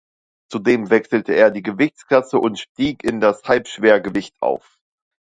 Zudem wechselte er die Gewichtsklasse und stieg in das Halbschwergewicht auf.